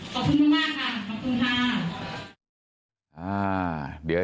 ขอบคุณมากค่ะขอบคุณค่ะ